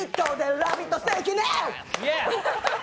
ラヴィット関根。